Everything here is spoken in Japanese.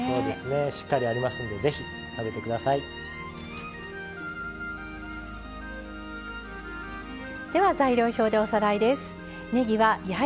しっかりありますのでぜひ食べてください。